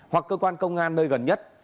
hoặc cơ quan công an nơi gần nhất